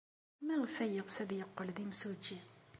Maɣef ay yeɣs ad yeqqel d imsujji?